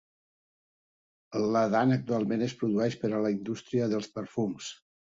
El làdan actualment es produeix per a la indústria dels perfums.